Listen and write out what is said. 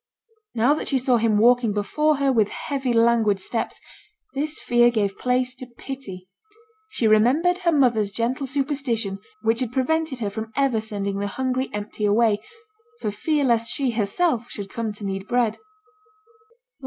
Now that she saw him walking before her with heavy languid steps, this fear gave place to pity; she remembered her mother's gentle superstition which had prevented her from ever sending the hungry empty away, for fear lest she herself should come to need bread.